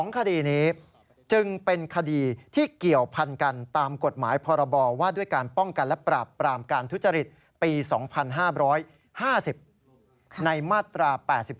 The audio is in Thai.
คดีนี้จึงเป็นคดีที่เกี่ยวพันกันตามกฎหมายพรบว่าด้วยการป้องกันและปราบปรามการทุจริตปี๒๕๕๐ในมาตรา๘๔